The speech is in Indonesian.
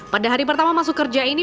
pada hari pertama masuk kerja ini